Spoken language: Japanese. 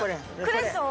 クレソン？